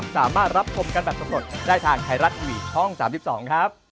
สวัสดีครับ